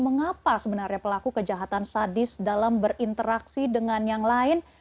mengapa sebenarnya pelaku kejahatan sadis dalam berinteraksi dengan yang lain